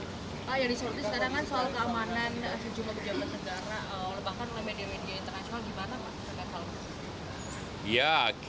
pak yonis sekarang kan soal keamanan sejumlah pejabat negara bahkan media media internasional bagaimana pak